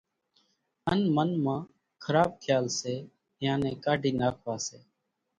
ان من مان خراٻ کيال سي اينيان نين ڪاڍي ناکوا سي